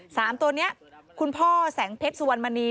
สามตัวนี้คุณพ่อแสงเพชรสุวรรณมณี